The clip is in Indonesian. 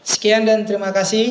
sekian dan terima kasih